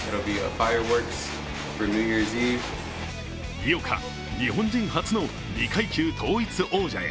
井岡、日本人初の２階級統一王者へ。